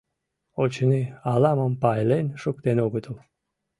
Очыни, ала-мом пайлен шуктен огытыл.